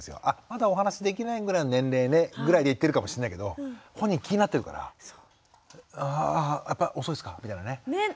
あまだお話しできないぐらいの年齢ねぐらいで言ってるかもしれないけど本人気になってるから「あやっぱ遅いですか？」みたいなね。